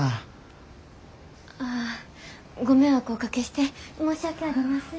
ああご迷惑をおかけして申し訳ありません。